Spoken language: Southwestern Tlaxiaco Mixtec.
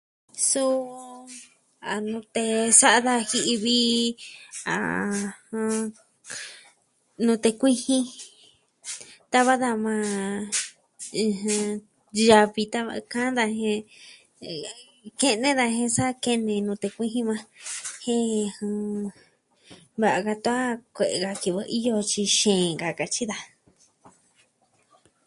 Suu, a nute sa'a da ji'i vi, ajɨn... nute kuijin. Tava daa maa, ɨjɨn... yavi tava kaan daa jen... kene daa jen sa kene nute kuijin maa, jen va ka tan kue'e ka kivɨ iyo xixeen ka katyi daa.